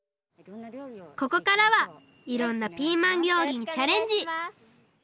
ここからはいろんなピーマン料理にチャレンジ！